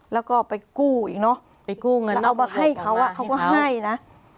แล้วก็ไปกู้อีกเนอะไปกู้เงินเอามาให้เขาอ่ะเขาก็ให้นะ